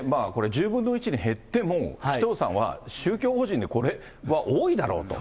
１０分の１に減っても、紀藤さんは宗教法人でこれは多いだろうと。